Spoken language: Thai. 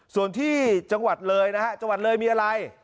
ส่วนที่จังหวัดเลยนะฮะจังหวัดเลยมีอะไร